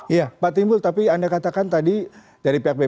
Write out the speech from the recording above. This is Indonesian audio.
iya pak timbul tapi anda katakan tadi dari pihak bpn